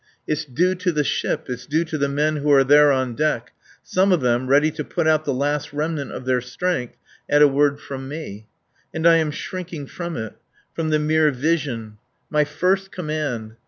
It's due to the ship, it's due to the men who are there on deck some of them, ready to put out the last remnant of their strength at a word from me. And I am shrinking from it. From the mere vision. My first command.